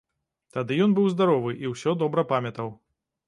Тады ён быў здаровы і ўсё добра памятаў.